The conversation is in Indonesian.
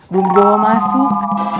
bunga mau masuk